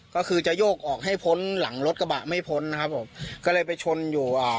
ก็คือจะโยกออกให้พ้นหลังรถกระบะไม่พ้นนะครับผมก็เลยไปชนอยู่อ่า